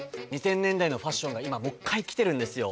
２０００年代のファッションが今もっかい来てるんですよ。